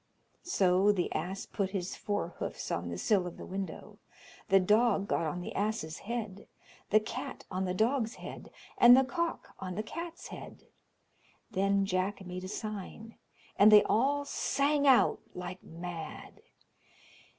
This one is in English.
So the ass put his fore hoofs on the sill of the window, the dog got on the ass's head, the cat on the dog's head, and the cock on the cat's head. Then Jack made a sign, and they all sang out like mad.